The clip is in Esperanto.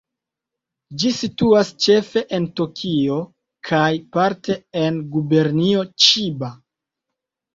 Ĝi situas ĉefe en Tokio kaj parte en Gubernio Ĉiba.